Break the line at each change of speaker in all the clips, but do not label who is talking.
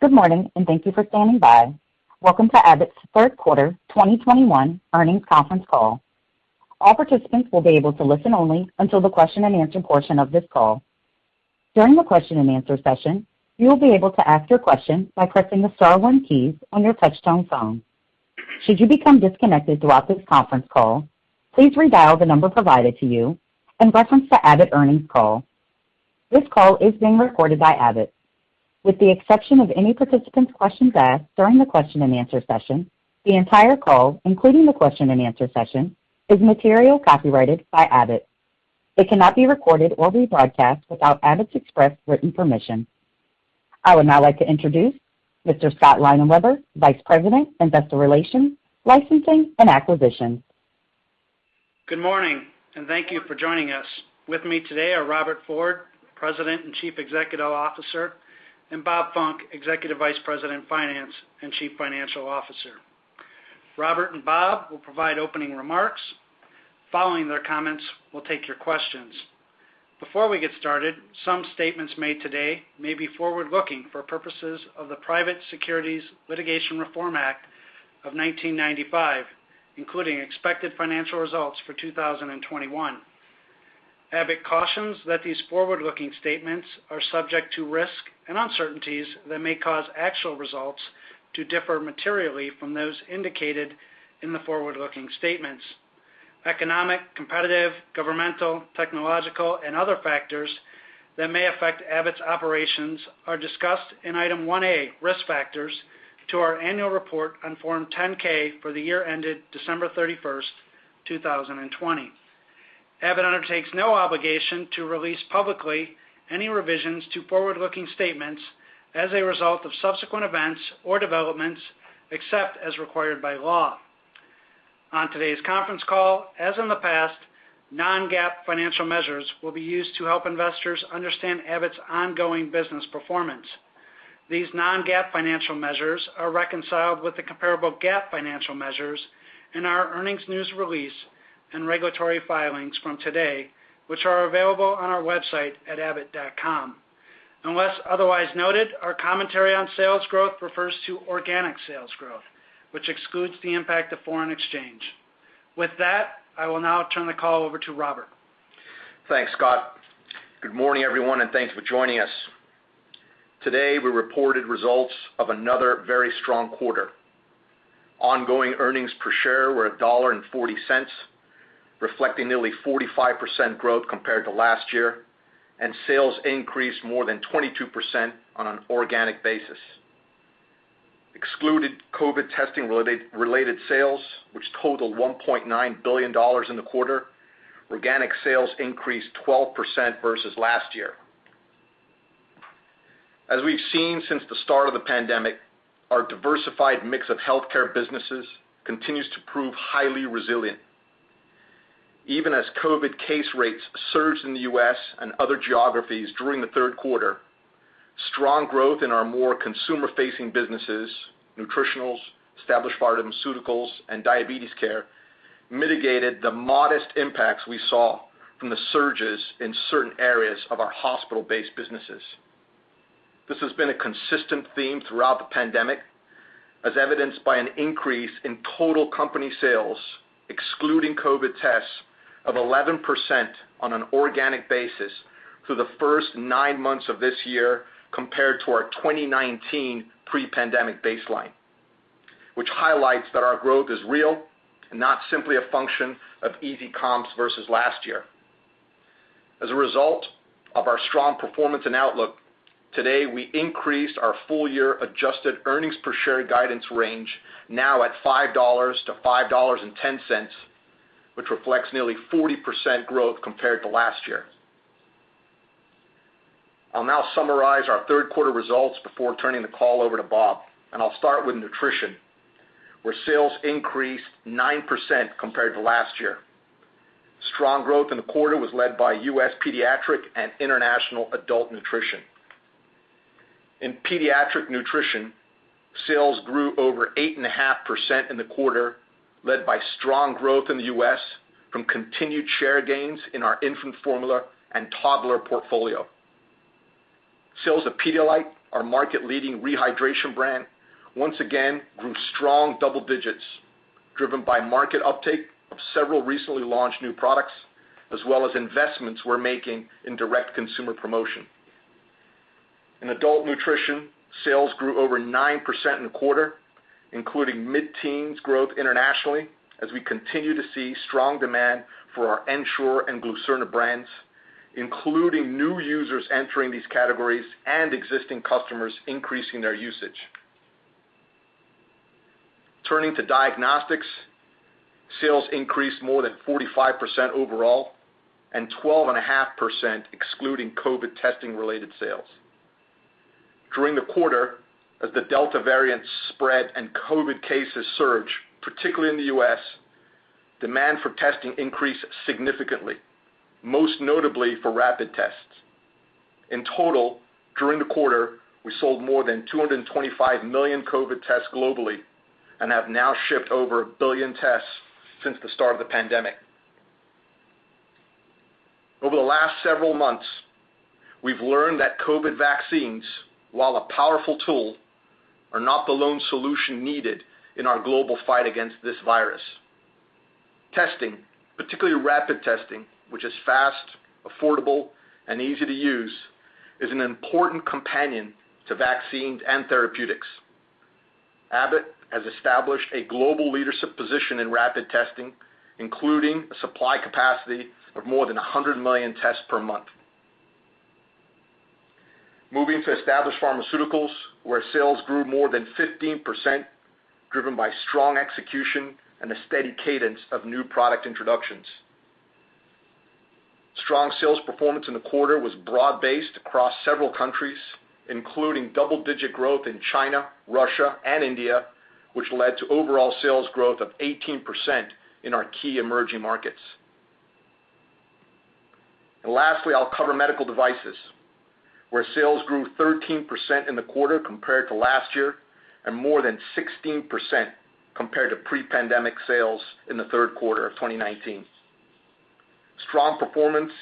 Good morning and thank you for standing by. Welcome to Abbott's Third Quarter 2021 Earnings Conference call. All participants will be able to listen only until the question-and-answer portion of this call. During the question-and-answer session, you will be able to ask your question by pressing the star one key on your touchtone phone. Should you be some disconnected throughout this conference call, please redial the number provided to you and reference to Abbott earnings call. This call is being recorded by Abbott. With the exception of any participant's questions asked during the question-and-answer session, the entire call, including the question-and-answer session, is material copyrighted by Abbott. It cannot be recorded or rebroadcast without Abbott's express written permission. I would now like to introduce Mr. Scott Leinenweber, Vice President, Investor Relations, Licensing and Acquisitions.
Good morning and thank you for joining us. With me today are Robert Ford, President and Chief Executive Officer, and Bob Funck, Executive Vice President, Finance, and Chief Financial Officer. Robert and Bob will provide opening remarks. Following their comments, we'll take your questions. Before we get started, some statements made today may be forward-looking for purposes of the Private Securities Litigation Reform Act of 1995, including expected financial results for 2021. Abbott cautions that these forward-looking statements are subject to risk and uncertainties that may cause actual results to differ materially from those indicated in the forward-looking statements. Economic, competitive, governmental, technological, and other factors that may affect Abbott's operations are discussed in Item 1A, Risk Factors, to our annual report on Form 10-K for the year ended December 31st, 2020. Abbott undertakes no obligation to release publicly any revisions to forward-looking statements as a result of subsequent events or developments, except as required by law. On today's conference call, as in the past, non-GAAP financial measures will be used to help investors understand Abbott's ongoing business performance. These non-GAAP financial measures are reconciled with the comparable GAAP financial measures in our earnings news release and regulatory filings from today, which are available on our website at abbott.com. Unless otherwise noted, our commentary on sales growth refers to organic sales growth, which excludes the impact of foreign exchange. With that, I will now turn the call over to Robert.
Thanks, Scott. Good morning, everyone, and thanks for joining us. Today, we reported results of another very strong quarter. Ongoing earnings per share were $1.40, reflecting nearly 45% growth compared to last year, and sales increased more than 22% on an organic basis. Excluded COVID testing-related sales, which totaled $1.9 billion in the quarter, organic sales increased 12% versus last year. As we've seen since the start of the pandemic, our diversified mix of healthcare businesses continues to prove highly resilient. Even as COVID case rates surged in the U.S. and other geographies during the third quarter, strong growth in our more consumer-facing businesses, Nutritionals, Established Pharmaceuticals, and Diabetes Care, mitigated the modest impacts we saw from the surges in certain areas of our hospital-based businesses. This has been a consistent theme throughout the pandemic, as evidenced by an increase in total company sales, excluding COVID tests, of 11% on an organic basis through the first nine months of this year compared to our 2019 pre-pandemic baseline, which highlights that our growth is real and not simply a function of easy comps versus last year. As a result of our strong performance and outlook, today, we increased our full-year adjusted earnings per share guidance range, now at $5-$5.10, which reflects nearly 40% growth compared to last year. I'll now summarize our third quarter results before turning the call over to Bob, and I'll start with Nutrition, where sales increased 9% compared to last year. Strong growth in the quarter was led by U.S. pediatric and international adult nutrition. In pediatric nutrition, sales grew over 8.5% in the quarter, led by strong growth in the U.S. from continued share gains in our infant formula and toddler portfolio. Sales of Pedialyte, our market-leading rehydration brand, once again grew strong double-digits, driven by market uptake of several recently launched new products, as well as investments we're making in direct consumer promotion. In adult nutrition, sales grew over 9% in the quarter, including mid-teens growth internationally, as we continue to see strong demand for our Ensure and Glucerna brands, including new users entering these categories and existing customers increasing their usage. Turning to Diagnostics, sales increased more than 45% overall and 12.5% excluding COVID testing-related sales. During the quarter, as the Delta variant spread and COVID cases surge, particularly in the U.S., demand for testing increased significantly, most notably for rapid tests. In total, during the quarter, we sold more than 225 million COVID tests globally and have now shipped over 1 billion tests since the start of the pandemic. Over the last several months, we've learned that COVID vaccines, while a powerful tool, are not the lone solution needed in our global fight against this virus. Testing, particularly rapid testing, which is fast, affordable, and easy to use, is an important companion to vaccines and therapeutics. Abbott has established a global leadership position in rapid testing, including a supply capacity of more than 100 million tests per month. Moving to Established Pharmaceuticals, where sales grew more than 15%, driven by strong execution and a steady cadence of new product introductions. Strong sales performance in the quarter was broad-based across several countries, including double-digit growth in China, Russia, and India, which led to overall sales growth of 18% in our key emerging markets. Lastly, I'll cover medical devices, where sales grew 13% in the quarter compared to last year, and more than 16% compared to pre-pandemic sales in the third quarter of 2019. Strong performance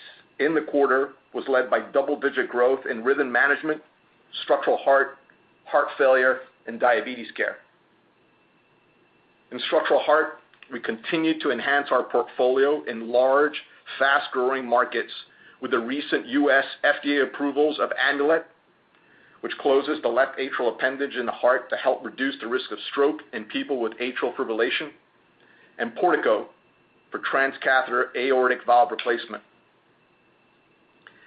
in the quarter was led by double-digit growth in rhythm management, structural heart failure, and diabetes care. In structural heart, we continued to enhance our portfolio in large, fast-growing markets with the recent U.S. FDA approvals of Amplatzer, which closes the left atrial appendage in the heart to help reduce the risk of stroke in people with atrial fibrillation, and Portico for transcatheter aortic valve replacement.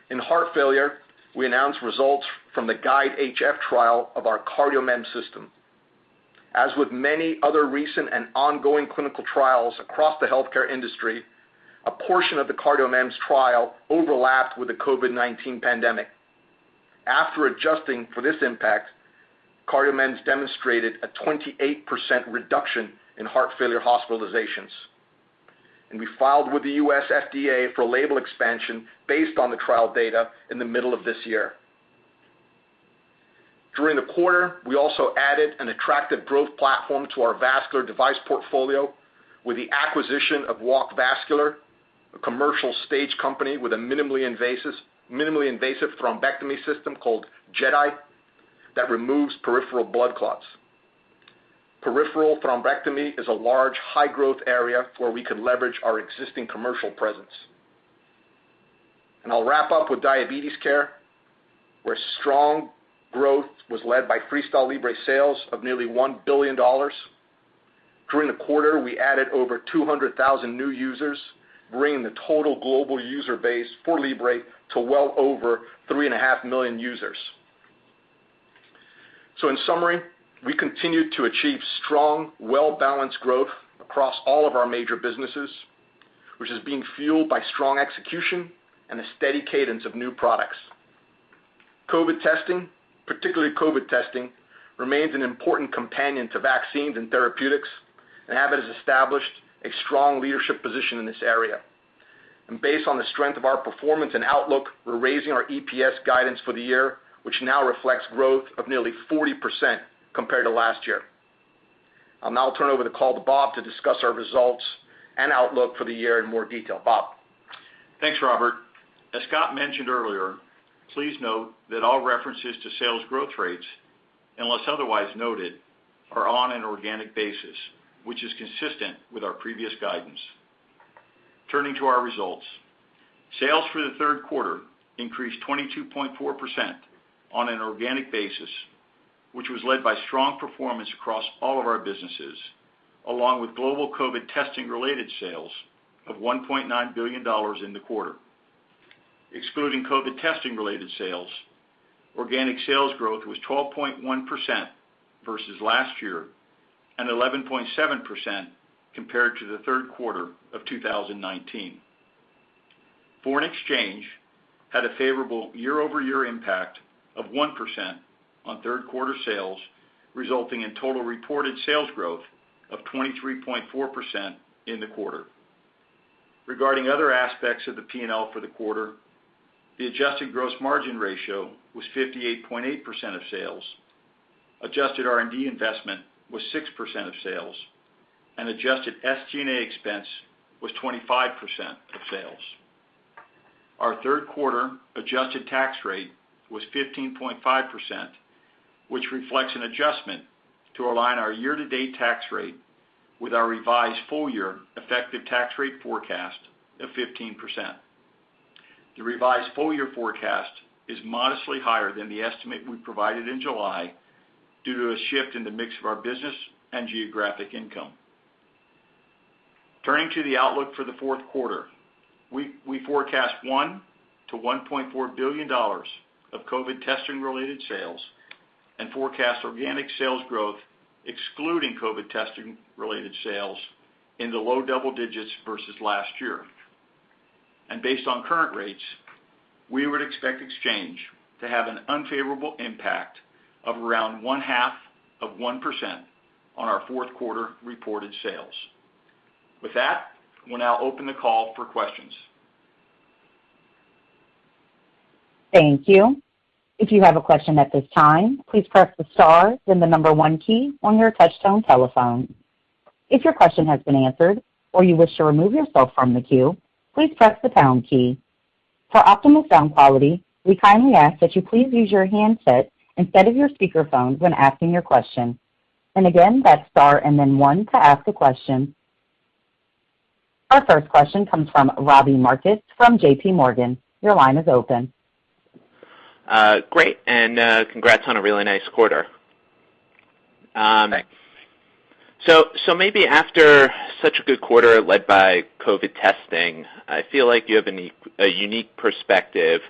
In heart failure, we announced results from the GUIDE-HF trial of our CardioMEMS system. As with many other recent and ongoing clinical trials across the healthcare industry, a portion of the CardioMEMS trial overlapped with the COVID-19 pandemic. After adjusting for this impact, CardioMEMS demonstrated a 28% reduction in heart failure hospitalizations. We filed with the U.S. FDA for label expansion based on the trial data in the middle of this year. During the quarter, we also added an attractive growth platform to our vascular device portfolio with the acquisition of Walk Vascular, a commercial stage company with a minimally invasive thrombectomy system called JETi that removes peripheral blood clots. Peripheral thrombectomy is a large, high-growth area where we can leverage our existing commercial presence. I'll wrap up with diabetes care, where strong growth was led by FreeStyle Libre sales of nearly $1 billion. During the quarter, we added over 200,000 new users, bringing the total global user base for Libre to well over 3.5 million users. In summary, we continued to achieve strong, well-balanced growth across all of our major businesses, which is being fueled by strong execution and a steady cadence of new products. COVID testing, particularly COVID testing, remains an important companion to vaccines and therapeutics, and Abbott has established a strong leadership position in this area. Based on the strength of our performance and outlook, we're raising our EPS guidance for the year, which now reflects growth of nearly 40% compared to last year. I'll now turn over the call to Bob to discuss our results and outlook for the year in more detail. Bob?
Thanks, Robert. As Scott mentioned earlier, please note that all references to sales growth rates, unless otherwise noted, are on an organic basis, which is consistent with our previous guidance. Turning to our results, sales for the third quarter increased 22.4% on an organic basis, which was led by strong performance across all of our businesses, along with global COVID testing-related sales of $1.9 billion in the quarter. Excluding COVID testing-related sales, organic sales growth was 12.1% versus last year and 11.7% compared to the third quarter of 2019. Foreign exchange had a favorable year-over-year impact of 1% on third quarter sales, resulting in total reported sales growth of 23.4% in the quarter. Regarding other aspects of the P&L for the quarter, the adjusted gross margin ratio was 58.8% of sales, adjusted R&D investment was 6% of sales, and adjusted SG&A expense was 25% of sales. Our third quarter adjusted tax rate was 15.5%, which reflects an adjustment to align our year-to-date tax rate with our revised full-year effective tax rate forecast of 15%. The revised full-year forecast is modestly higher than the estimate we provided in July due to a shift in the mix of our business and geographic income. Turning to the outlook for the fourth quarter, we forecast $1 billion-$1.4 billion of COVID testing-related sales and forecast organic sales growth excluding COVID testing-related sales in the low double-digits versus last year. Based on current rates, we would expect exchange to have an unfavorable impact of around 1/2 of 1% on our fourth quarter reported sales. With that, we'll now open the call for questions.
Thank you. If you have a question at this time, please press the star then the number one key on your touchtone telephone. If your question has been answered or you wish to remove yourself from the queue, please press the pound key. For optimum sound quality, we kindly ask that you please use your handset instead of your speaker phone when asking your question. And again, press star and then one to ask a question. Our first question comes from Robbie Marcus from JPMorgan. Your line is open.
Great, congrats on a really nice quarter.
Thanks.
Maybe after such a good quarter led by COVID testing, I feel like you have a unique perspective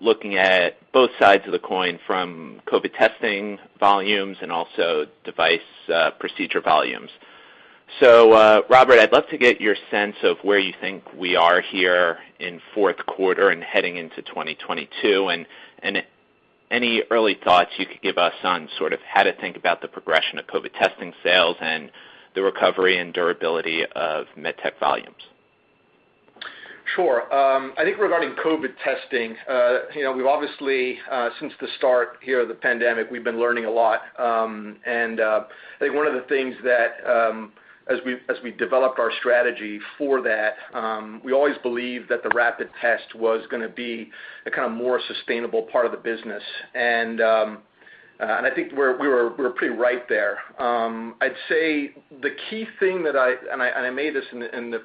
looking at both sides of the coin from COVID testing volumes and also device procedure volumes. Robert, I'd love to get your sense of where you think we are here in fourth quarter and heading into 2022, and any early thoughts you could give us on sort of how to think about the progression of COVID testing sales and the recovery and durability of med tech volumes.
Sure. I think regarding COVID testing, we've obviously, since the start here of the pandemic, we've been learning a lot. I think one of the things that as we developed our strategy for that, we always believed that the rapid test was going to be a kind of more sustainable part of the business. I think we were pretty right there. I'd say the key thing that I made this in the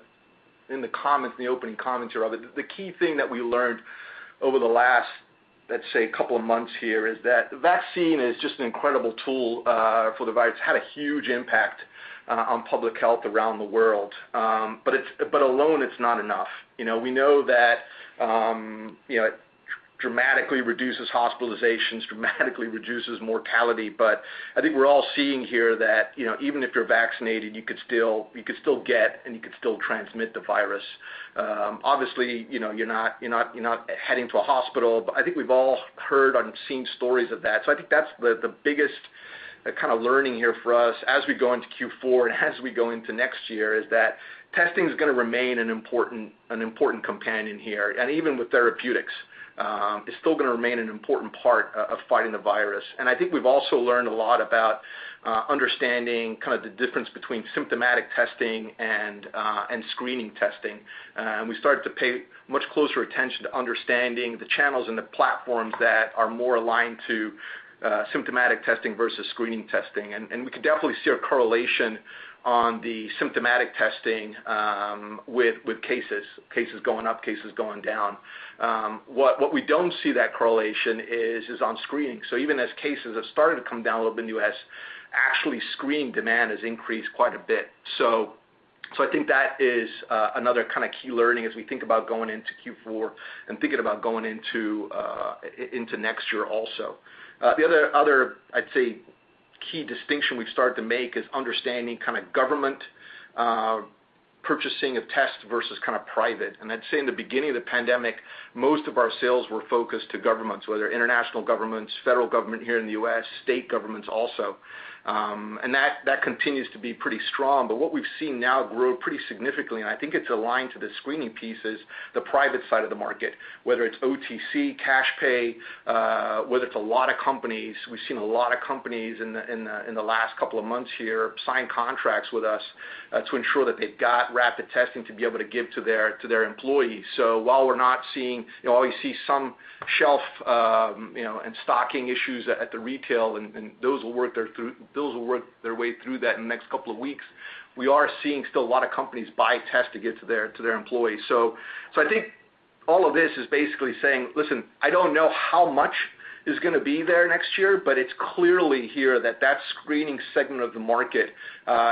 opening comments, Robert. The key thing that we learned over the last, let's say, two months here is that the vaccine is just an incredible tool for the virus. Had a huge impact on public health around the world. Alone, it's not enough. We know that it dramatically reduces hospitalizations, dramatically reduces mortality. I think we are all seeing here that even if you are vaccinated, you could still get and you could still transmit the virus. Obviously, you are not heading to a hospital, but I think we have all heard and seen stories of that. I think that is the biggest kind of learning here for us as we go into Q4 and as we go into next year, is that testing is going to remain an important companion here. Even with therapeutics, it is still going to remain an important part of fighting the virus. I think we have also learned a lot about understanding kind of the difference between symptomatic testing and screening testing. We started to pay much closer attention to understanding the channels and the platforms that are more aligned to symptomatic testing versus screening testing. We can definitely see a correlation on the symptomatic testing with cases going up, cases going down. What we don't see that correlation is on screening. Even as cases have started to come down a little bit in the U.S., actually screening demand has increased quite a bit. I think that is another kind of key learning as we think about going into Q4 and thinking about going into next year also. The other, I'd say, key distinction we've started to make is understanding kind of government purchasing of tests versus kind of private. I'd say in the beginning of the pandemic, most of our sales were focused to governments, whether international governments, federal government here in the U.S., state governments also. That continues to be pretty strong. What we've seen now grow pretty significantly, and I think it's aligned to the screening piece, is the private side of the market, whether it's OTC, cash pay, whether it's a lot of companies. We've seen a lot of companies in the last couple of months here sign contracts with us to ensure that they've got rapid testing to be able to give to their employees. You always see some shelf and stocking issues at the retail, and those will work their way through that in the next couple of weeks. We are seeing still a lot of companies buy tests to give to their employees. I think all of this is basically saying, listen, I don't know how much is going to be there next year, but it's clearly here that that screening segment of the market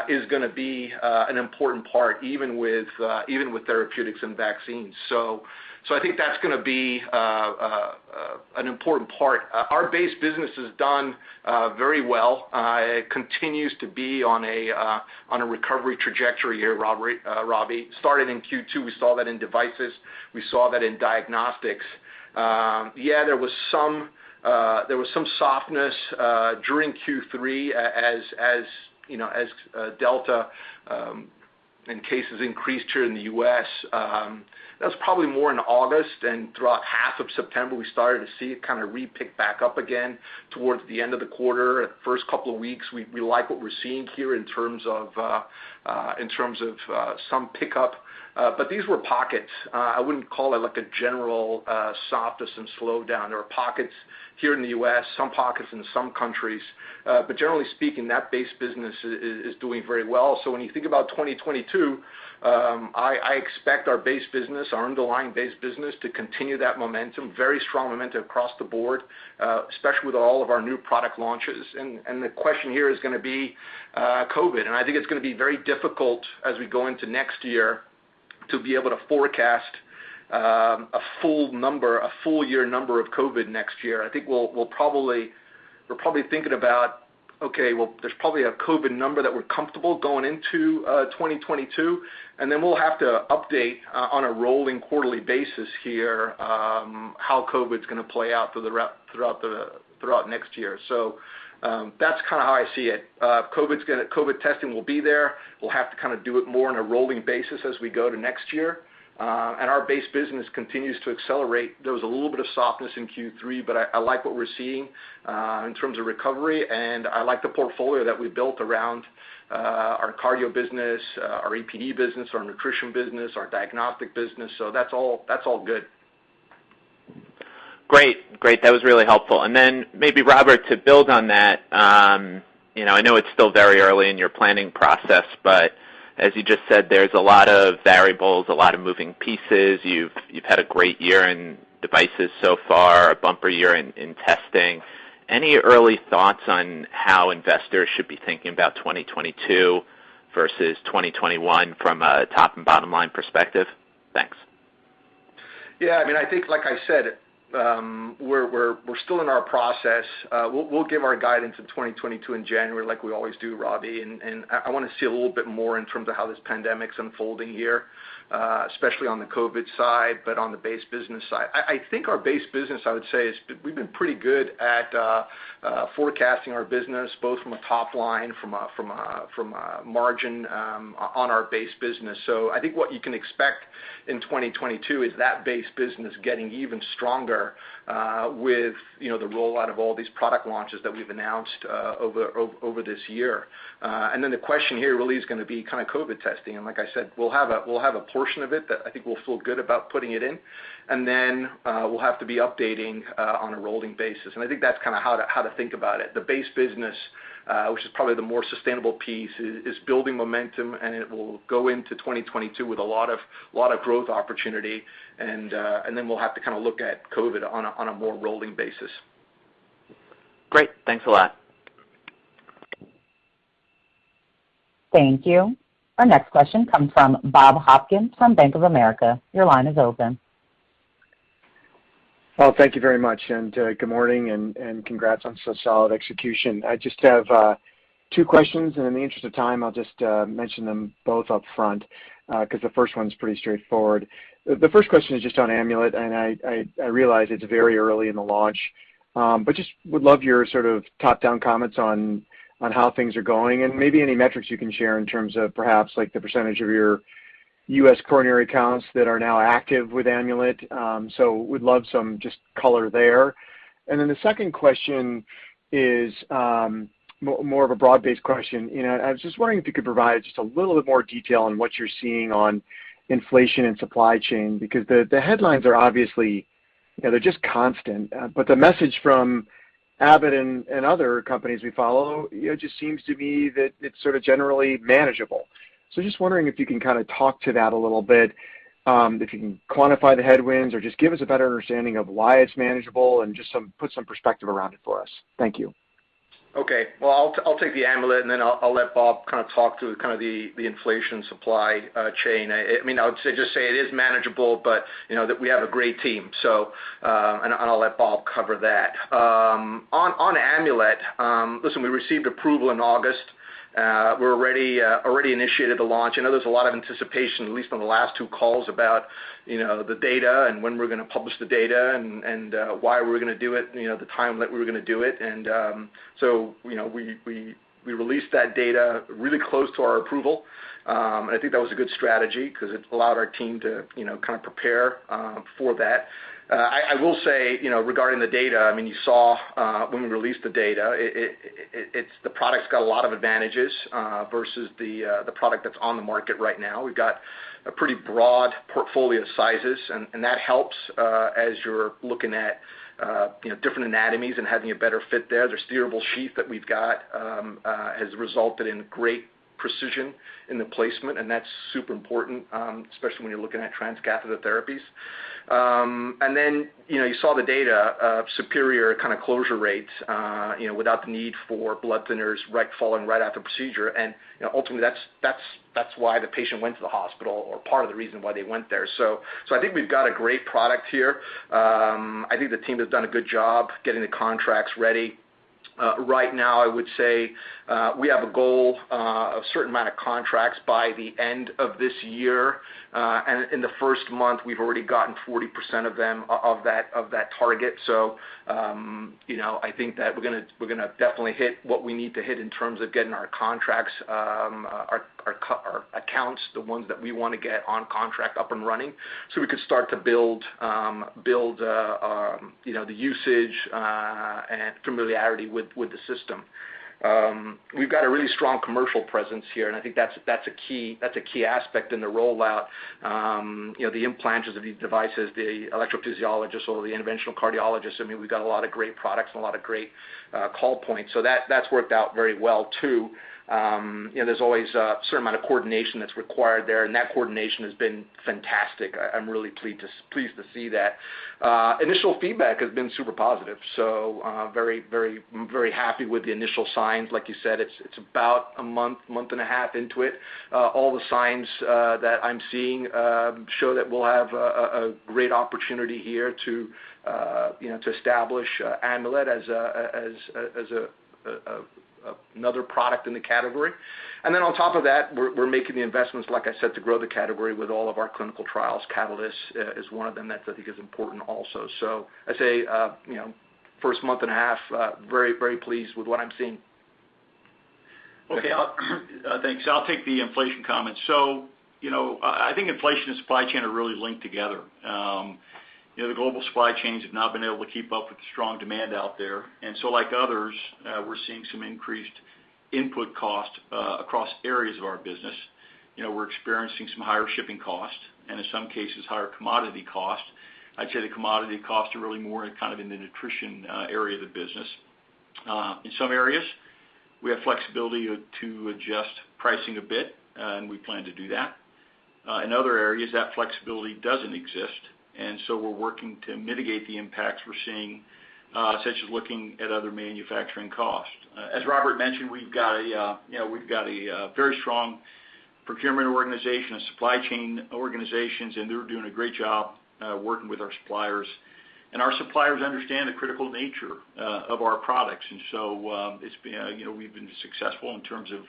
is going to be an important part, even with therapeutics and vaccines. I think that's going to be an important part. Our base business has done very well. It continues to be on a recovery trajectory here, Robbie. Started in Q2. We saw that in devices. We saw that in diagnostics. Yeah, there was some softness during Q3 as Delta and cases increased here in the U.S. That was probably more in August and throughout 1/2 of September, we started to see it kind of re-pick back up again towards the end of the quarter. First couple of weeks, we like what we're seeing here in terms of some pickup. These were pockets. I wouldn't call it like a general softness and slowdown. There were pockets here in the U.S., some pockets in some countries. Generally speaking, that base business is doing very well. When you think about 2022, I expect our base business, our underlying base business, to continue that momentum, very strong momentum across the board, especially with all of our new product launches. The question here is going to be COVID. I think it's going to be very difficult as we go into next year to be able to forecast a full number, a full year number of COVID next year. I think we're probably thinking about, okay, well, there's probably a COVID number that we're comfortable going into 2022, and then we'll have to update on a rolling quarterly basis here how COVID's going to play out throughout next year. That's kind of how I see it. COVID testing will be there. We'll have to kind of do it more on a rolling basis as we go to next year. Our base business continues to accelerate. There was a little bit of softness in Q3, but I like what we're seeing in terms of recovery, and I like the portfolio that we built around our cardio business, our EPD business, our nutrition business, our diagnostic business. That's all good.
Great. That was really helpful. Maybe, Robert, to build on that, I know it's still very early in your planning process, but as you just said, there's a lot of variables, a lot of moving pieces. You've had a great year in devices so far, a bumper year in testing. Any early thoughts on how investors should be thinking about 2022 versus 2021 from a top and bottom line perspective? Thanks.
Yeah, I think like I said, we're still in our process. We'll give our guidance in 2022 in January like we always do, Robbie. I want to see a little bit more in terms of how this pandemic's unfolding here, especially on the COVID side, but on the base business side. I think our base business, I would say, is we've been pretty good at forecasting our business, both from a top line, from a margin on our base business. I think what you can expect in 2022 is that base business getting even stronger with the rollout of all these product launches that we've announced over this year. The question here really is going to be kind of COVID testing. Like I said, we'll have a portion of it that I think we'll feel good about putting it in, and then we'll have to be updating on a rolling basis. I think that's kind of how to think about it. The base business, which is probably the more sustainable piece, is building momentum, and it will go into 2022 with a lot of growth opportunity. We'll have to kind of look at COVID on a more rolling basis.
Great. Thanks a lot.
Thank you. Our next question comes from Bob Hopkins from Bank of America.
Well, thank you very much, good morning, congrats on such solid execution. I just have two questions, in the interest of time, I'll just mention them both up front, because the first 1's pretty straightforward. The first question is just on Amulet, I realize it's very early in the launch, just would love your sort of top-down comments on how things are going and maybe any metrics you can share in terms of perhaps like the percentage of your U.S. coronary accounts that are now active with Amulet. Would love some just color there. The second question is more of a broad-based question. I was just wondering if you could provide just a little bit more detail on what you're seeing on inflation and supply chain, because the headlines are obviously just constant. The message from Abbott and other companies we follow just seems to be that it's sort of generally manageable. Just wondering if you can kind of talk to that a little bit, if you can quantify the headwinds or just give us a better understanding of why it's manageable and just put some perspective around it for us. Thank you.
Okay. Well, I'll take the Amulet. I'll let Bob kind of talk through kind of the inflation supply chain. I would just say it is manageable, that we have a great team. I'll let Bob cover that. On Amulet, listen, we received approval in August. We're already initiated the launch. I know there's a lot of anticipation, at least on the last two calls, about the data and when we're going to publish the data and why we were going to do it, the time that we were going to do it. We released that data really close to our approval. I think that was a good strategy because it allowed our team to kind of prepare for that. I will say regarding the data, you saw when we released the data, the product's got a lot of advantages versus the product that's on the market right now. We've got a pretty broad portfolio of sizes. That helps as you're looking at different anatomies and having a better fit there. The steerable sheath that we've got has resulted in great precision in the placement. That's super important, especially when you're looking at transcatheter therapies. You saw the data of superior kind of closure rates without the need for blood thinners falling right after procedure. Ultimately, that's why the patient went to the hospital or part of the reason why they went there. I think we've got a great product here. I think the team has done a good job getting the contracts ready. Right now, I would say we have a goal of a certain amount of contracts by the end of this year. In the first month, we've already gotten 40% of that target. I think that we're going to definitely hit what we need to hit in terms of getting our contracts, our accounts, the ones that we want to get on contract up and running so we could start to build the usage and familiarity with the system. We've got a really strong commercial presence here, and I think that's a key aspect in the rollout. The implanters of these devices, the electrophysiologists or the interventional cardiologists, we've got a lot of great products and a lot of great call points. That's worked out very well, too. There's always a certain amount of coordination that's required there, and that coordination has been fantastic. I'm really pleased to see that. Initial feedback has been super positive. I'm very happy with the initial signs. Like you said, it's about a month and a half into it. All the signs that I'm seeing show that we'll have a great opportunity here to establish Amulet as another product in the category. On top of that, we're making the investments, like I said, to grow the category with all of our clinical trials. Catalyst is one of them that I think is important also. I'd say first month and a half, very pleased with what I'm seeing.
Okay. Thanks. I'll take the inflation comments. I think inflation and supply chain are really linked together. The global supply chains have not been able to keep up with the strong demand out there. Like others, we're seeing some increased input cost across areas of our business. We're experiencing some higher shipping costs and in some cases, higher commodity costs. I'd say the commodity costs are really more in the nutrition area of the business. In some areas, we have flexibility to adjust pricing a bit, and we plan to do that. In other areas, that flexibility doesn't exist, we're working to mitigate the impacts we're seeing, such as looking at other manufacturing costs. As Robert mentioned, we've got a very strong procurement organization, a supply chain organizations, and they're doing a great job working with our suppliers. Our suppliers understand the critical nature of our products. We've been successful in terms of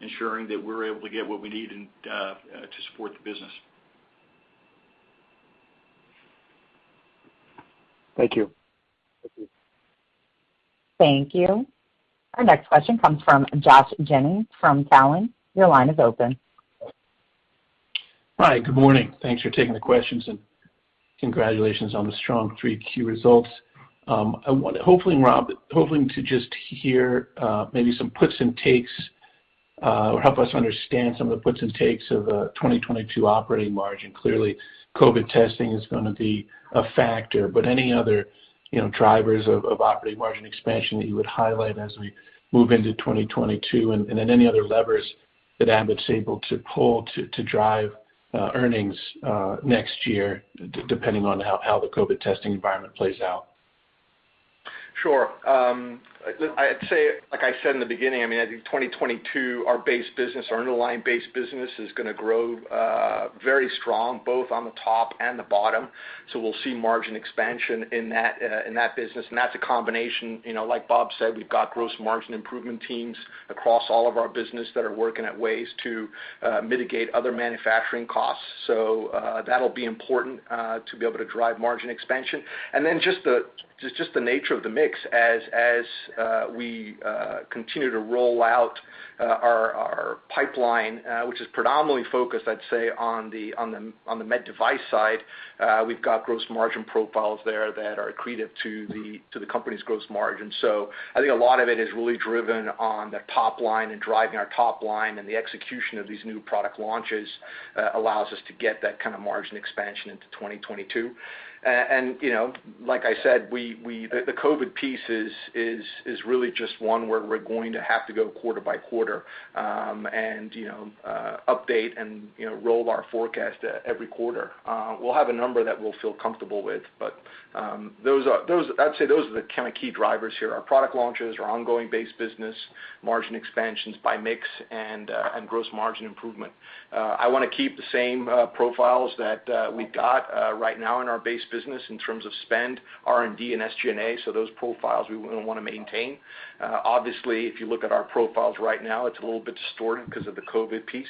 ensuring that we're able to get what we need to support the business.
Thank you.
Thank you. Our next question comes from Joshua Jennings from Cowen. Your line is open.
Hi. Good morning. Thanks for taking the questions, and congratulations on the strong 3Q results. I wanted hopefully, Rob, hoping to just hear maybe some puts and takes or help us understand some of the puts and takes of 2022 operating margin. Clearly, COVID testing is going to be a factor, but any other drivers of operating margin expansion that you would highlight as we move into 2022 and then any other levers that Abbott's able to pull to drive earnings next year, depending on how the COVID testing environment plays out?
Sure. I'd say, like I said in the beginning, I think 2022, our base business, our underlying base business is going to grow very strong, both on the top and the bottom. We'll see margin expansion in that business. That's a combination. Like Bob said, we've got gross margin improvement teams across all of our business that are working at ways to mitigate other manufacturing costs. That'll be important to be able to drive margin expansion. Just the nature of the mix as we continue to roll out our pipeline which is predominantly focused, I'd say on the med device side. We've got gross margin profiles there that are accretive to the company's gross margin. I think a lot of it is really driven on the top line and driving our top line and the execution of these new product launches allows us to get that kind of margin expansion into 2022. Like I said, the COVID piece is really just one where we're going to have to go quarter by quarter, and update and roll our forecast every quarter. We'll have a number that we'll feel comfortable with. I'd say those are the key drivers here, our product launches, our ongoing base business, margin expansions by mix, and gross margin improvement. I want to keep the same profiles that we've got right now in our base business in terms of spend, R&D, and SG&A. Those profiles we want to maintain. Obviously if you look at our profiles right now, it's a little bit distorted because of the COVID piece.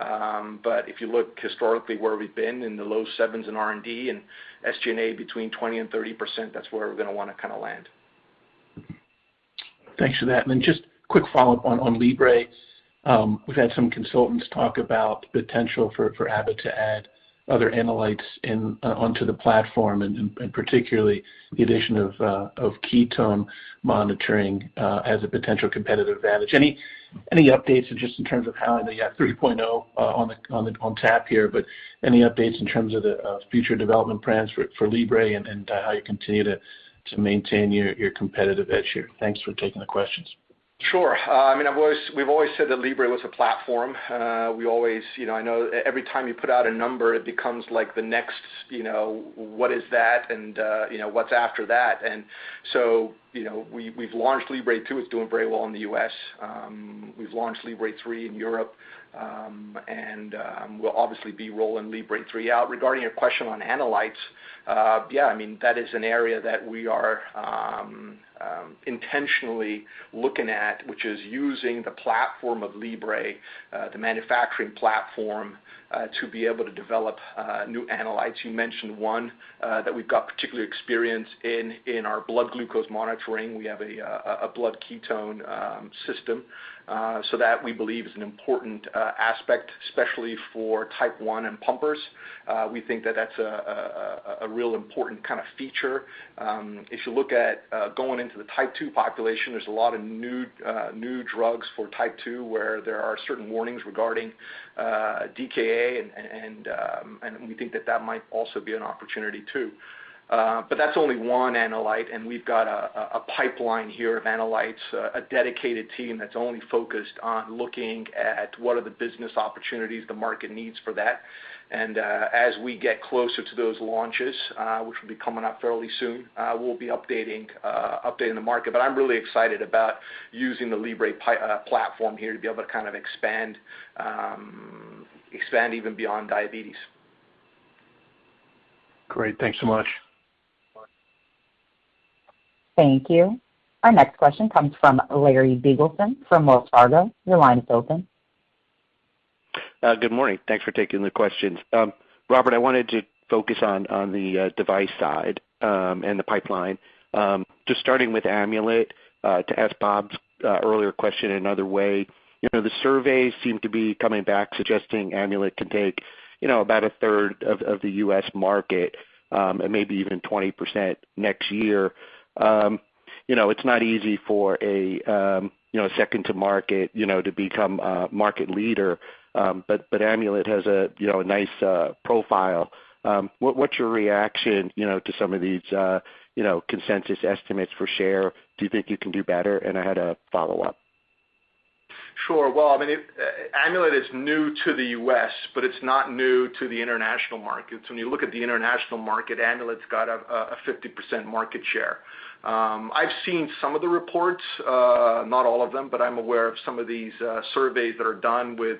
If you look historically where we've been in the low sevens in R&D and SG&A between 20% and 30%, that's where we're going to want to land.
Thanks for that. Just quick follow-up on Libre. We've had some consultants talk about the potential for Abbott to add other analytes onto the platform and particularly the addition of ketone monitoring as a potential competitive advantage. Any updates just in terms of how the 3.0 on tap here, but any updates in terms of future development plans for Libre and how you continue to maintain your competitive edge here? Thanks for taking the questions.
Sure. We've always said that Libre was a platform. I know every time you put out a number, it becomes like the next, what is that? What's after that? We've launched Libre 2. It's doing very well in the U.S. We've launched Libre 3 in Europe. We'll obviously be rolling Libre 3 out. Regarding your question on analytes, yeah, that is an area that we are intentionally looking at, which is using the platform of Libre, the manufacturing platform, to be able to develop new analytes. You mentioned one that we've got particular experience in our blood glucose monitoring. We have a blood ketone system. That we believe is an important aspect, especially for type one and pumpers. We think that that's a real important feature. If you look at going into the type 2 population, there's a lot of new drugs for type 2 where there are certain warnings regarding DKA. We think that that might also be an opportunity too. That's only one analyte. We've got a pipeline here of analytes, a dedicated team that's only focused on looking at what are the business opportunities the market needs for that. As we get closer to those launches which will be coming up fairly soon, we'll be updating the market. I'm really excited about using the Libre platform here to be able to expand even beyond diabetes.
Great. Thanks so much.
Thank you. Our next question comes from Larry Biegelsen from Wells Fargo. Your line is open.
Good morning. Thanks for taking the questions. Robert, I wanted to focus on the device side and the pipeline. Just starting with Amulet, to ask Bob's earlier question another way, the surveys seem to be coming back suggesting Amulet can take about 1/3 of the U.S. market and maybe even 20% next year. It's not easy for a second-to-market to become a market leader. Amulet has a nice profile. What's your reaction to some of these consensus estimates for share? Do you think you can do better? I had a follow-up.
Sure. Well, Amulet is new to the U.S., but it's not new to the international markets. When you look at the international market, Amulet's got a 50% market share. I've seen some of the reports, not all of them, but I'm aware of some of these surveys that are done with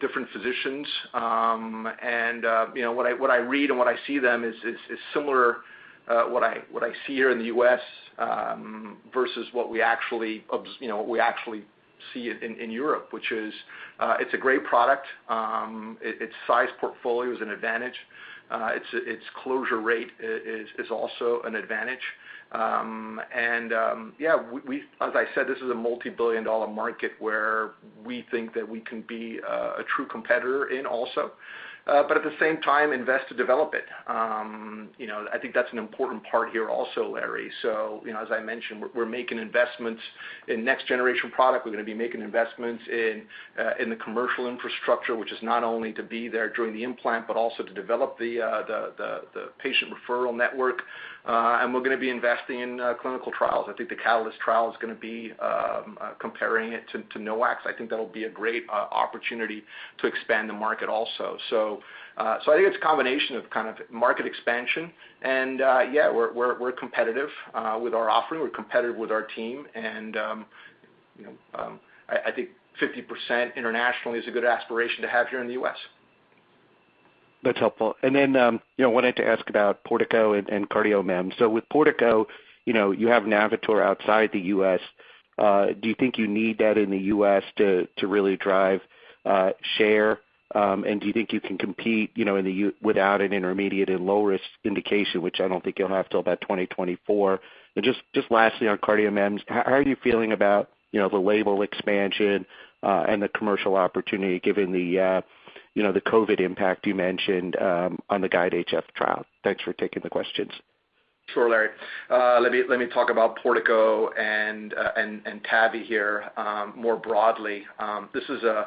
different physicians. What I read and what I see then is similar, what I see here in the U.S. versus what we actually see in Europe, which is, it's a great product. Its size portfolio is an advantage. Its closure rate is also an advantage. Yeah, as I said, this is a multi-billion dollar market where we think that we can be a true competitor in also. At the same time, invest to develop it. I think that's an important part here also, Larry. As I mentioned, we're making investments in next generation product. We're going to be making investments in the commercial infrastructure, which is not only to be there during the implant, but also to develop the patient referral network. We're going to be investing in clinical trials. I think the CATALYST trial is going to be comparing it to NOACs. I think that'll be a great opportunity to expand the market also. I think it's a combination of kind of market expansion, and, yeah, we're competitive with our offering. We're competitive with our team. I think 50% internationally is a good aspiration to have here in the U.S.
That's helpful. Wanted to ask about Portico and CardioMEMS. With Portico, you have Navitor outside the U.S. Do you think you need that in the U.S. to really drive share? Do you think you can compete without an intermediate and low risk indication, which I don't think you'll have till about 2024? Just lastly, on CardioMEMS, how are you feeling about the label expansion, and the commercial opportunity given the COVID impact you mentioned on the GUIDE-HF trial? Thanks for taking the questions.
Sure, Larry. Let me talk about Portico and TAVI here more broadly. This is a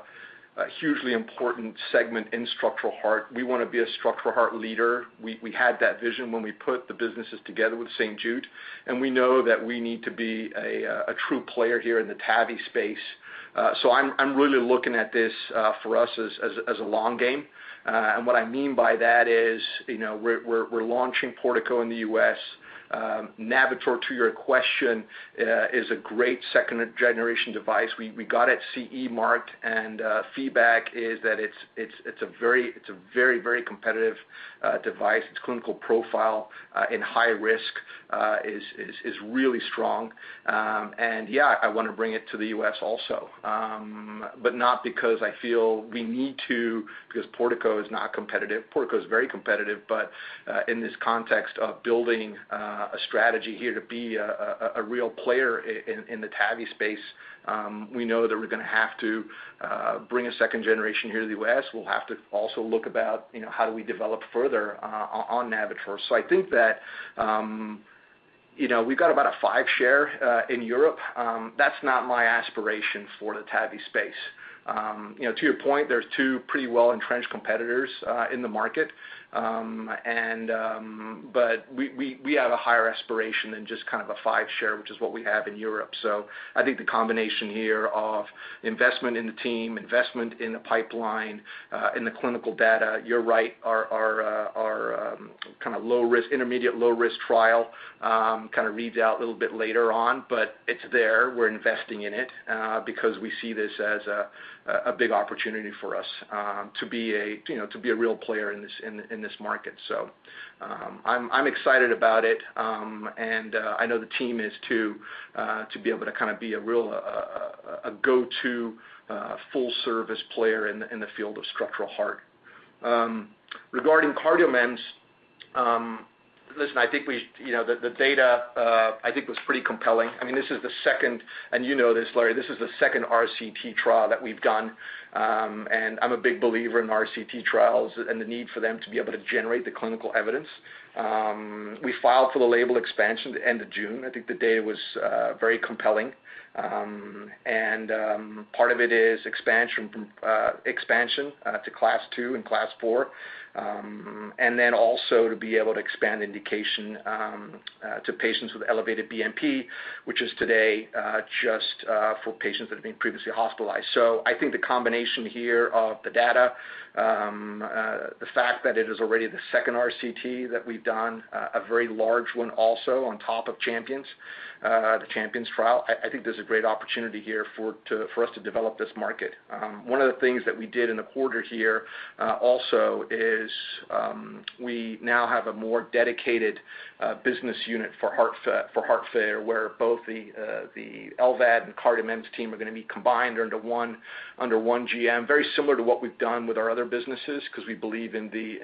hugely important segment in structural heart. We want to be a structural heart leader. We had that vision when we put the businesses together with St. Jude. We know that we need to be a true player here in the TAVI space. I'm really looking at this for us as a long game. What I mean by that is, we're launching Portico in the U.S. Navitor, to your question, is a great second-generation device. We got it CE marked. Feedback is that it's a very competitive device. Its clinical profile in high risk is really strong. Yeah, I want to bring it to the U.S. also. Not because I feel we need to, because Portico is not competitive. Portico is very competitive. In this context of building a strategy here to be a real player in the TAVI space, we know that we're going to have to bring a second generation here to the U.S. We'll have to also look about how do we develop further on Navitor. I think that we've got about a 5% share in Europe. That's not my aspiration for the TAVI space. To your point, there's two pretty well-entrenched competitors in the market. We have a higher aspiration than just kind of a 5% share, which is what we have in Europe. I think the combination here of investment in the team, investment in the pipeline, and the clinical data, you're right, our kind of intermediate low risk trial kind of reads out a little bit later on, but it's there. We're investing in it, because we see this as a big opportunity for us to be a real player in this market. I'm excited about it. I know the team is, too, to be able to kind of be a real go-to full-service player in the field of structural heart. Regarding CardioMEMS, listen, I think the data was pretty compelling. This is the second, and you know this, Larry, RCT trial that we've done. I'm a big believer in RCT trials and the need for them to be able to generate the clinical evidence. We filed for the label expansion at the end of June. I think the data was very compelling. Part of it is expansion to Class 2 and Class 4. Also to be able to expand indication to patients with elevated BNP, which is today just for patients that have been previously hospitalized. I think the combination here of the data, the fact that it is already the second RCT that we've done, a very large one also on top of the CHAMPION trial, I think there's a great opportunity here for us to develop this market. One of the things that we did in the quarter here also is we now have a more dedicated business unit for heart failure, where both the LVAD and CardioMEMS team are going to be combined under one GM, very similar to what we've done with our other businesses, because we believe in the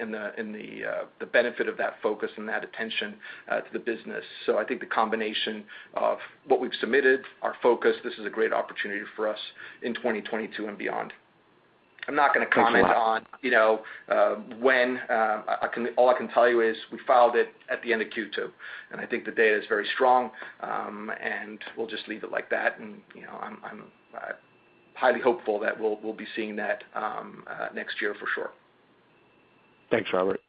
benefit of that focus and that attention to the business. I think the combination of what we've submitted, our focus, this is a great opportunity for us in 2022 and beyond. I'm not going to comment on when. All I can tell you is we filed it at the end of Q2, and I think the data is very strong. We'll just leave it like that, and I'm highly hopeful that we'll be seeing that next year for sure.
Thanks, Robert.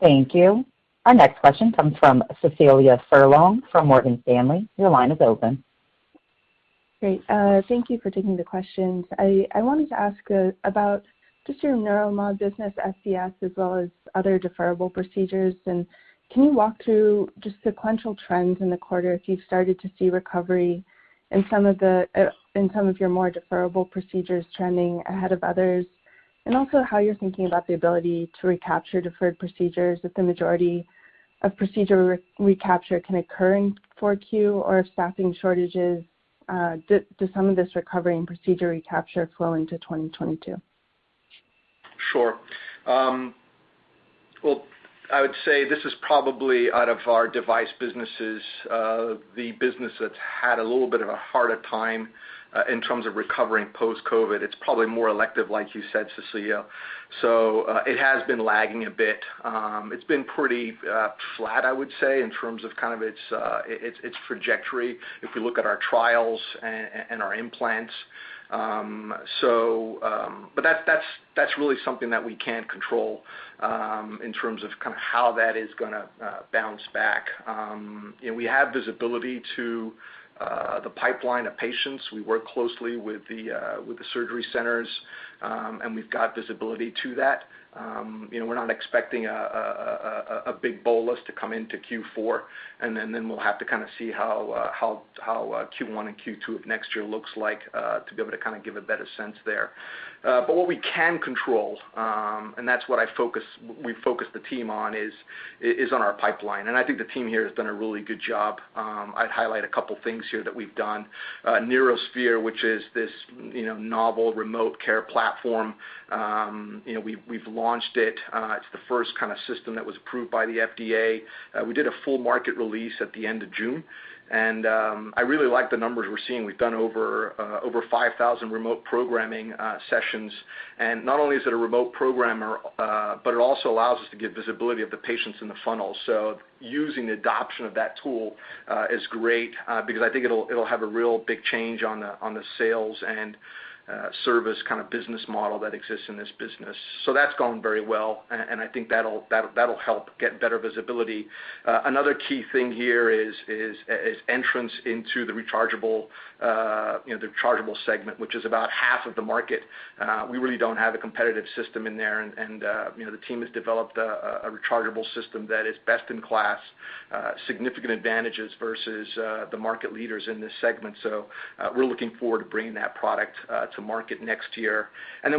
Thank you. Our next question comes from Cecilia Furlong from Morgan Stanley. Your line is open.
Great. Thank you for taking the questions. I wanted to ask about just your neuromod business, SCS, as well as other deferrable procedures. Can you walk through just sequential trends in the quarter if you've started to see recovery in some of your more deferrable procedures trending ahead of others? Also how you're thinking about the ability to recapture deferred procedures if the majority of procedure recapture can occur in 4Q or if staffing shortages, does some of this recovery and procedure recapture flow into 2022?
Sure. I would say this is probably out of our device businesses, the business that's had a little bit of a harder time in terms of recovering post-COVID. It's probably more elective, like you said, Cecilia. It has been lagging a bit. It's been pretty flat, I would say, in terms of its trajectory if we look at our trials and our implants. That's really something that we can't control in terms of how that is going to bounce back. We have visibility to the pipeline of patients. We work closely with the surgery centers, and we've got visibility to that. We're not expecting a big bolus to come into Q4, and then we'll have to see how Q1 and Q2 of next year looks like to be able to give a better sense there. What we can control, and that's what we focus the team on is on our pipeline, and I think the team here has done a really good job. I'd highlight a couple things here that we've done. NeuroSphere, which is this novel remote care platform. We've launched it. It's the first kind of system that was approved by the FDA. We did a full market release at the end of June, and I really like the numbers we're seeing. We've done over 5,000 remote programming sessions. Not only is it a remote programmer, but it also allows us to get visibility of the patients in the funnel. Using the adoption of that tool is great because I think it'll have a real big change on the sales and service kind of business model that exists in this business. That's going very well, and I think that'll help get better visibility. Another key thing here is entrance into the rechargeable segment, which is about 1/2 of the market. We really don't have a competitive system in there, and the team has developed a rechargeable system that is best in class, significant advantages versus the market leaders in this segment. We're looking forward to bringing that product to market next year.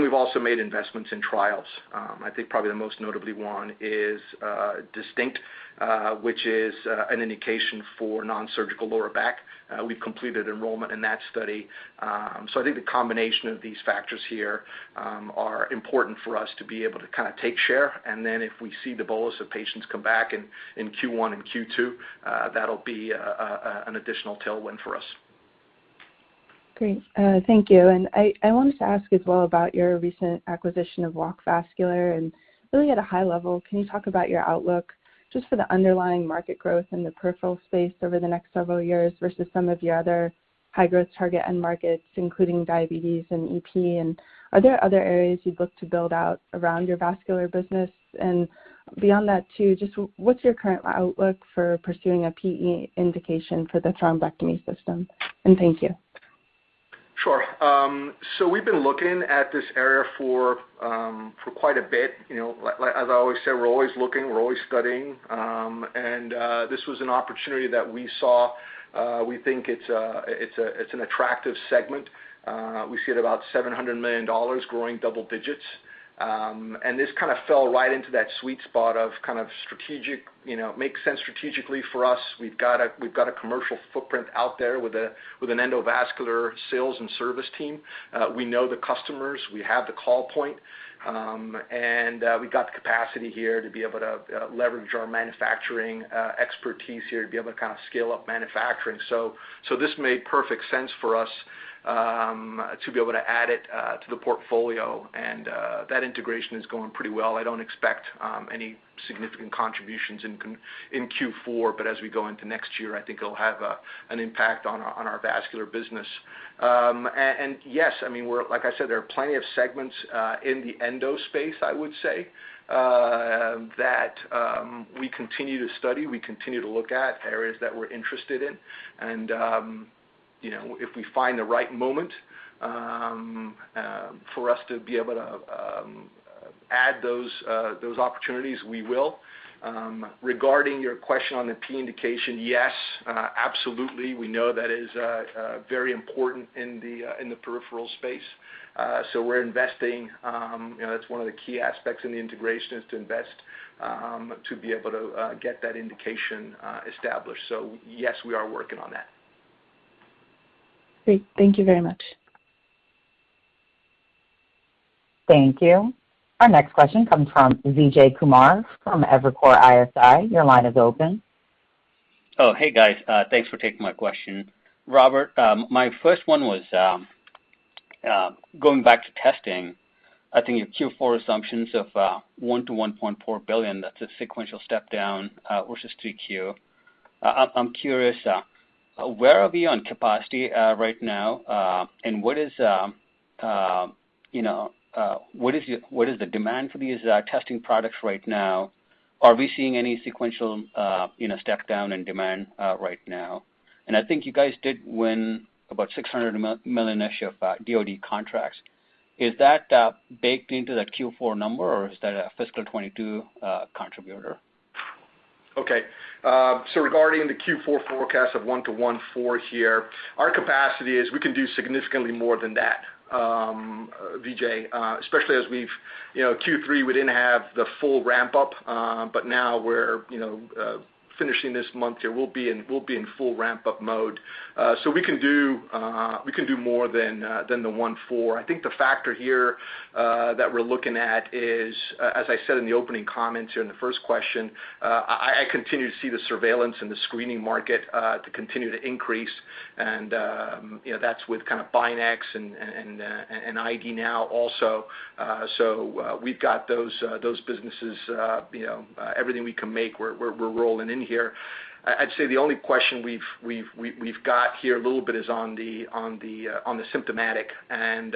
We've also made investments in trials. I think probably the most notably one is DISTINCT, which is an indication for non-surgical lower back. We've completed enrollment in that study. I think the combination of these factors here are important for us to be able to take share, and then if we see the bolus of patients come back in Q1 and Q2, that'll be an additional tailwind for us.
Great. Thank you. I wanted to ask as well about your recent acquisition of Walk Vascular, and really at a high level, can you talk about your outlook just for the underlying market growth in the peripheral space over the next several years versus some of your other high-growth target end markets, including diabetes and EP? Are there other areas you'd look to build out around your vascular business? Beyond that too, just what's your current outlook for pursuing a PE indication for the thrombectomy system? Thank you.
Sure. We've been looking at this area for quite a bit. As I always say, we're always looking, we're always studying. This was an opportunity that we saw. We think it's an attractive segment. We see it about $700 million, growing double-digits. This kind of fell right into that sweet spot of kind of strategic, makes sense strategically for us. We've got a commercial footprint out there with an endovascular sales and service team. We know the customers. We have the call point. We've got the capacity here to be able to leverage our manufacturing expertise here to be able to scale up manufacturing. This made perfect sense for us to be able to add it to the portfolio, and that integration is going pretty well. I don't expect any significant contributions in Q4, but as we go into next year, I think it'll have an impact on our vascular business. Yes, like I said, there are plenty of segments in the endo space, I would say, that we continue to study, we continue to look at areas that we're interested in. If we find the right moment for us to be able to add those opportunities, we will. Regarding your question on the PE indication, yes, absolutely. We know that is very important in the peripheral space. We're investing. That's one of the key aspects in the integration is to invest to be able to get that indication established. Yes, we are working on that.
Great. Thank you very much.
Thank you. Our next question comes from Vijay Kumar from Evercore ISI. Your line is open.
Hey guys. Thanks for taking my question. Robert, my first one was, going back to testing, I think your Q4 assumptions of $1 billion-$1.4 billion, that's a sequential step down versus 3Q. I'm curious, where are we on capacity right now? What is the demand for these testing products right now? Are we seeing any sequential step down in demand right now? I think you guys did win about $600 million-ish of DoD contracts. Is that baked into that Q4 number, or is that a fiscal 2022 contributor?
Regarding the Q4 forecast of $1-$1.4 here, our capacity is we can do significantly more than that, Vijay, especially as Q3, we didn't have the full ramp-up. Now we're finishing this month here, we'll be in full ramp-up mode. We can do more than the $1.4. I think the factor here that we're looking at is, as I said in the opening comments here in the first question, I continue to see the surveillance and the screening market to continue to increase. That's with kind of BinaxNOW and ID NOW also. We've got those businesses, everything we can make, we're rolling in here. I'd say the only question we've got here a little bit is on the symptomatic and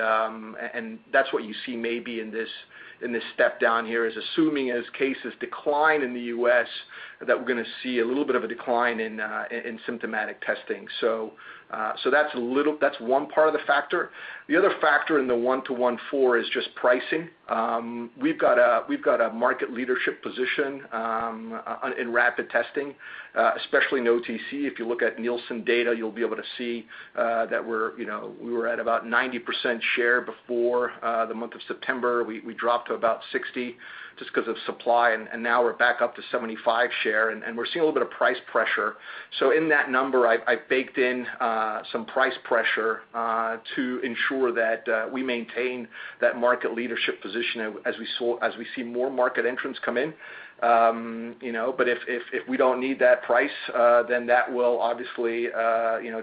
that's what you see maybe in this step down here is assuming as cases decline in the U.S., that we're going to see a little bit of a decline in symptomatic testing. That's one part of the factor. The other factor in the $1-$1.4 is just pricing. We've got a market leadership position in rapid testing, especially in OTC. If you look at Nielsen data, you'll be able to see that we were at about 90% share before the month of September. We dropped to about 60% just because of supply, and now we're back up to 75% share, and we're seeing a little bit of price pressure. In that number, I baked in some price pressure to ensure that we maintain that market leadership position as we see more market entrants come in. If we don't need that price, then that will obviously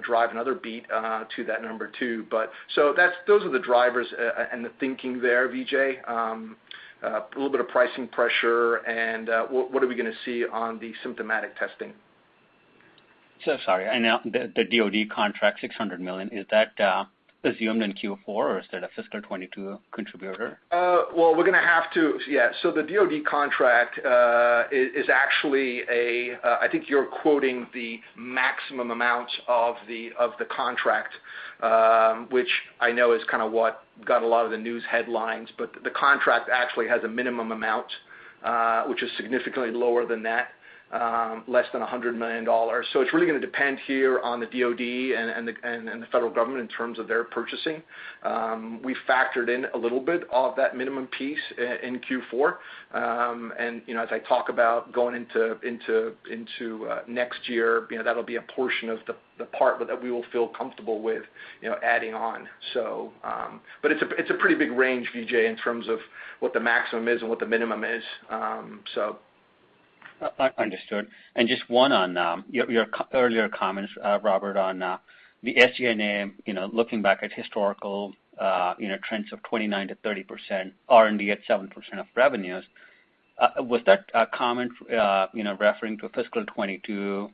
drive another beat to that number too. Those are the drivers and the thinking there, Vijay. A little bit of pricing pressure and what are we going to see on the symptomatic testing.
Sorry. Now the DoD contract, $600 million, is that assumed in Q4, or is that a fiscal 2022 contributor?
Well, we're going to have to. Yes. The DoD contract is actually a I think you're quoting the maximum amount of the contract, which I know is kind of what got a lot of the news headlines. The contract actually has a minimum amount, which is significantly lower than that, less than $100 million. It's really going to depend here on the DoD and the federal government in terms of their purchasing. We factored in a little bit of that minimum piece in Q4. As I talk about going into next year, that'll be a portion of the part that we will feel comfortable with adding on. It's a pretty big range, Vijay, in terms of what the maximum is and what the minimum is.
Understood. Just one on your earlier comments, Robert, on the SG&A, looking back at historical trends of 29%-30%, R&D at 7% of revenues. Was that comment referring to fiscal 2022,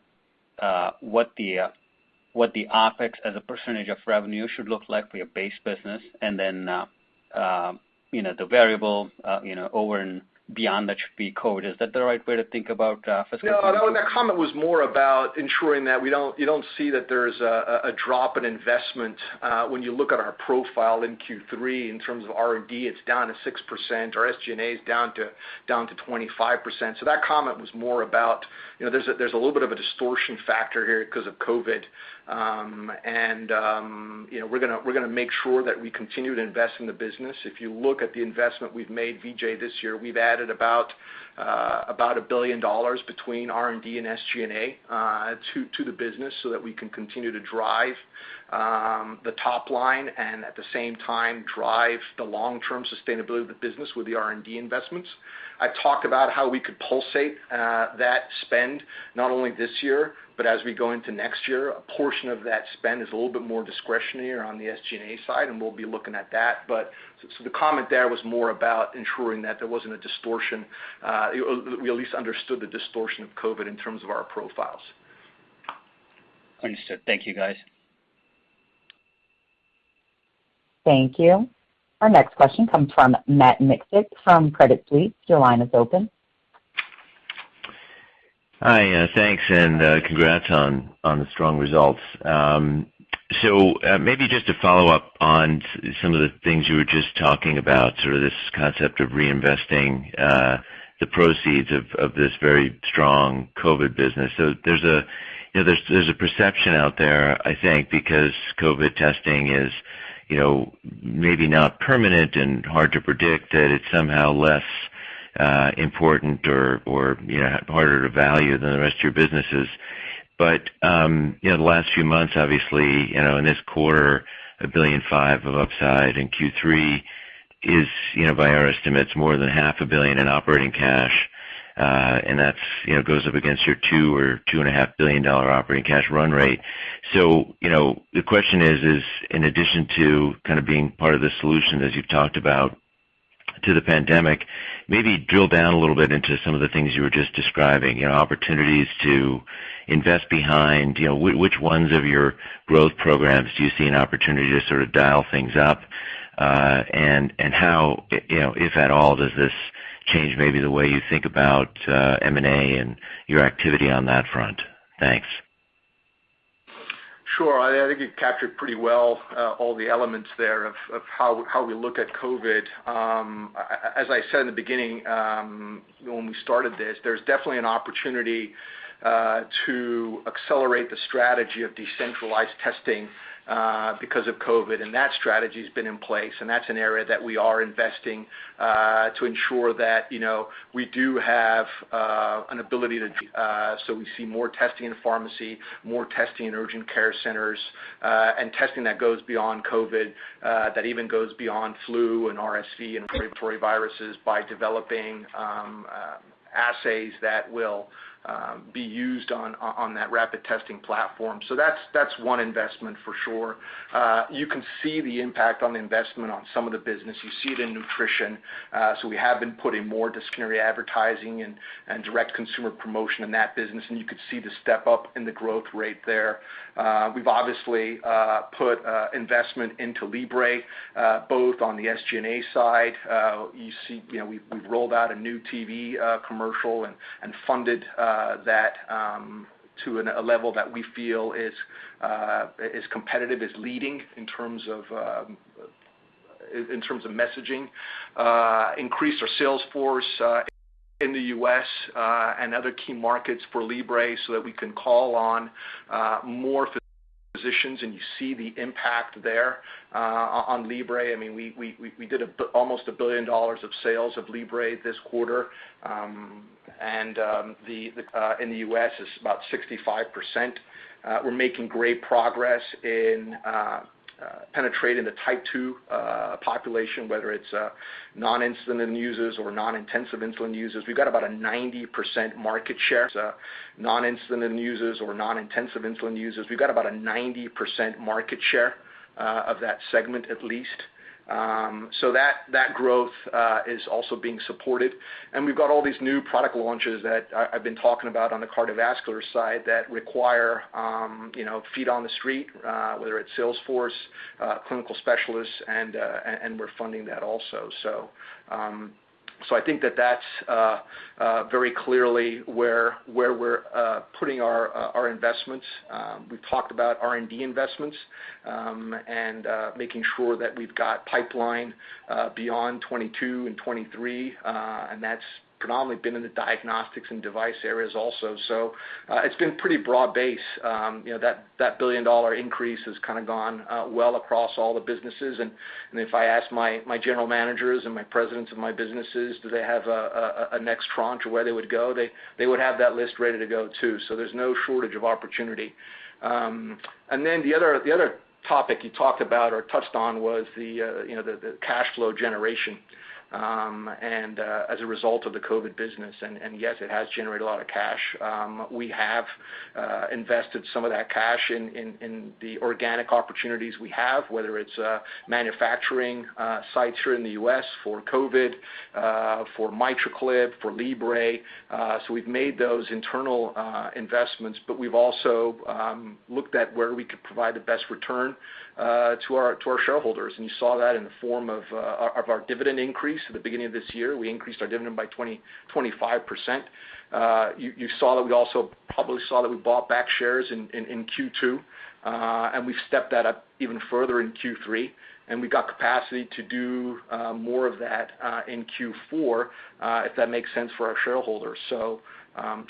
what the OpEx as a percentage of revenue should look like for your base business and then the variable over and beyond the COVID? Is that the right way to think about fiscal 2022?
That comment was more about ensuring that you don't see that there's a drop in investment. When you look at our profile in Q3, in terms of R&D, it's down to 6%, our SG&A is down to 25%. That comment was more about, there's a little bit of a distortion factor here because of COVID. We're going to make sure that we continue to invest in the business. If you look at the investment we've made, Vijay, this year, we've added about $1 billion between R&D and SG&A to the business so that we can continue to drive the top line and at the same time, drive the long-term sustainability of the business with the R&D investments. I talked about how we could pulsate that spend not only this year, but as we go into next year. A portion of that spend is a little bit more discretionary on the SG&A side, and we'll be looking at that. The comment there was more about ensuring that there wasn't a distortion, we at least understood the distortion of COVID in terms of our profiles.
Understood. Thank you, guys.
Thank you. Our next question comes from Matt Miksic from Credit Suisse. Your line is open.
Hi. Thanks, and congrats on the strong results. Maybe just to follow up on some of the things you were just talking about, sort of this concept of reinvesting the proceeds of this very strong COVID business. There's a perception out there, I think, because COVID testing is maybe not permanent and hard to predict that it's somehow less important or harder to value than the rest of your businesses. The last few months, obviously, in this quarter, a billion five of upside in Q3 is, by our estimates, more than 1/2 a billion in operating cash. That goes up against your $2 billion or $2.5 billion operating cash run rate. The question is, in addition to being part of the solution as you've talked about to the pandemic, maybe drill down a little bit into some of the things you were just describing. Opportunities to invest behind, which ones of your growth programs do you see an opportunity to sort of dial things up? How, if at all, does this change maybe the way you think about M&A and your activity on that front? Thanks.
Sure. I think you've captured pretty well all the elements there of how we look at COVID. As I said in the beginning when we started this, there's definitely an opportunity to accelerate the strategy of decentralized testing because of COVID. That strategy's been in place, and that's an area that we are investing to ensure that we do have an ability. We see more testing in pharmacy, more testing in urgent care centers, and testing that goes beyond COVID, that even goes beyond flu and RSV and respiratory viruses by developing assays that will be used on that rapid testing platform. That's one investment for sure. You can see the impact on investment on some of the business. You see it in nutrition. We have been putting more discretionary advertising and direct consumer promotion in that business, and you could see the step-up in the growth rate there. We've obviously put investment into Libre both on the SG&A side. We've rolled out a new TV commercial and funded that to a level that we feel is competitive, is leading in terms of messaging. Increased our sales force in the U.S. and other key markets for Libre so that we can call on more physicians, and you see the impact there on Libre. We did almost $1 billion of sales of Libre this quarter. In the U.S., it's about 65%. We're making great progress in penetrating the type 2 population, whether it's non-insulin users or non-intensive insulin users. We've got about a 90% market share, so non-insulin users or non-intensive insulin users. We've got about a 90% market share of that segment at least. That growth is also being supported. We've got all these new product launches that I've been talking about on the cardiovascular side that require feet on the street, whether it's sales force, clinical specialists, and we're funding that also. I think that's very clearly where we're putting our investments. We've talked about R&D investments and making sure that we've got pipeline beyond 2022 and 2023. That's predominantly been in the diagnostics and device areas also. It's been pretty broad-based. That billion-dollar increase has kind of gone well across all the businesses. If I ask my general managers and my presidents of my businesses, do they have a next tranche of where they would go, they would have that list ready to go, too. There's no shortage of opportunity. The other topic you talked about or touched on was the cash flow generation and as a result of the COVID business. Yes, it has generated a lot of cash. We have invested some of that cash in the organic opportunities we have, whether it's manufacturing sites here in the U.S. for COVID, for MitraClip, for Libre. We've made those internal investments, but we've also looked at where we could provide the best return to our shareholders. You saw that in the form of our dividend increase at the beginning of this year. We increased our dividend by 25%. You probably saw that we bought back shares in Q2, and we've stepped that up even further in Q3, and we've got capacity to do more of that in Q4 if that makes sense for our shareholders.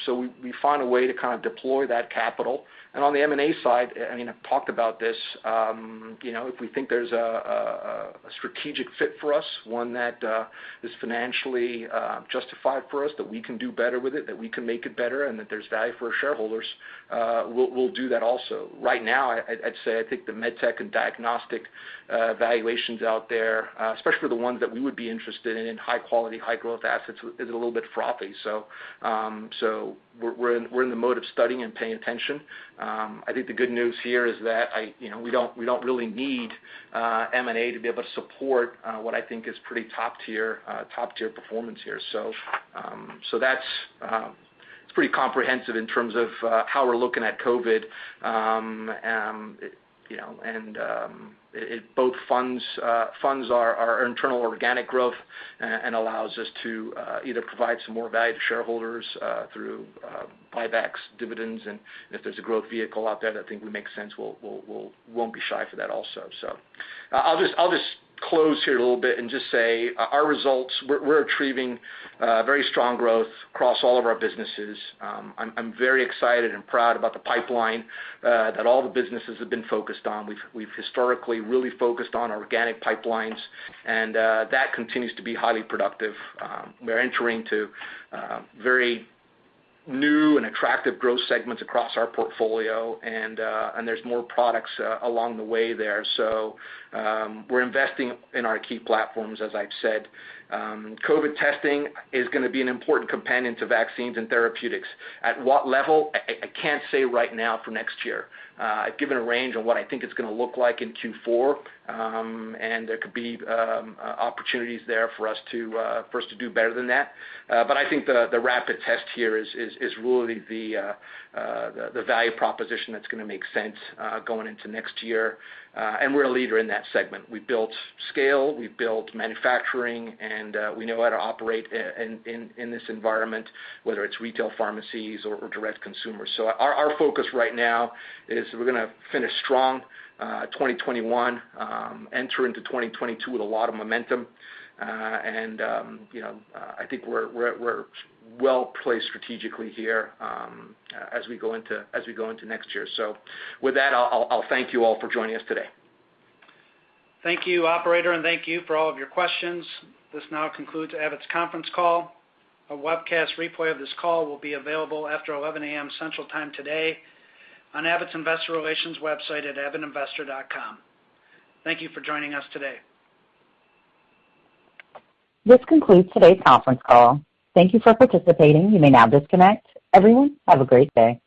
We found a way to kind of deploy that capital. On the M&A side, I've talked about this. If we think there's a strategic fit for us, one that is financially justified for us, that we can do better with it, that we can make it better, and that there's value for our shareholders, we'll do that also. Right now, I'd say I think the med tech and diagnostic valuations out there, especially for the ones that we would be interested in high quality, high growth assets, is a little bit frothy. We're in the mode of studying and paying attention. I think the good news here is that we don't really need M&A to be able to support what I think is pretty top-tier performance here. That's pretty comprehensive in terms of how we're looking at COVID. It both funds our internal organic growth and allows us to either provide some more value to shareholders through buybacks, dividends, and if there's a growth vehicle out there that I think would make sense, we won't be shy for that also. I'll just close here a little bit and just say our results, we're achieving very strong growth across all of our businesses. I'm very excited and proud about the pipeline that all the businesses have been focused on. We've historically really focused on organic pipelines, and that continues to be highly productive. We're entering into very new and attractive growth segments across our portfolio, and there's more products along the way there. We're investing in our key platforms, as I've said. COVID testing is going to be an important companion to vaccines and therapeutics. At what level? I can't say right now for next year. I've given a range on what I think it's going to look like in Q4, and there could be opportunities there for us to do better than that. I think the rapid test here is really the value proposition that's going to make sense going into next year. We're a leader in that segment. We built scale, we built manufacturing, and we know how to operate in this environment, whether it's retail pharmacies or direct consumer. Our focus right now is we're going to finish strong 2021, enter into 2022 with a lot of momentum. I think we're well-placed strategically here as we go into next year. With that, I'll thank you all for joining us today.
Thank you, operator, and thank you for all of your questions. This now concludes Abbott's conference call. A webcast replay of this call will be available after 11:00 A.M. Central Time today on Abbott's investor relations website at abbottinvestor.com. Thank you for joining us today.
This concludes today's conference call. Thank you for participating. You may now disconnect. Everyone, have a great day.